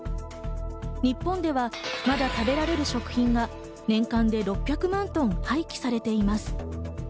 日本ではまだ食べられる食品が年間で６００万トン廃棄されています。